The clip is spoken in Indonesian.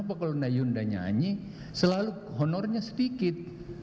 apa kalau nayunda nyanyi selalu honornya sedikit